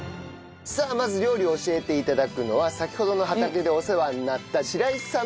さあまず料理を教えて頂くのは先ほどの畑でお世話になった白井さんの奥様です。